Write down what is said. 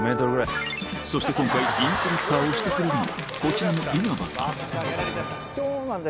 そして今回インストラクターをしてくれるのはこちらの呼吸をすること。